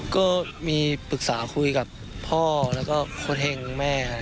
ก็มีปรึกษาคุยกับพ่อแล้วก็โครเทงแม่